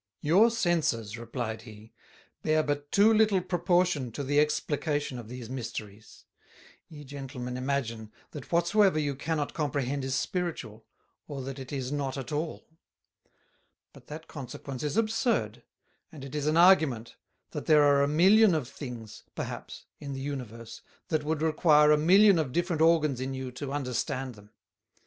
"Your senses," replied he, "bear but too little proportion to the Explication of these Mysteries: Ye Gentlemen imagine, that whatsoever you cannot comprehend is spiritual, or that it is not at all; but that Consequence is absurd, and it is an argument, that there are a Million of things, perhaps, in the Universe, that would require a Million of different Organs in you to understand them.